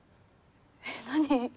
えっ何？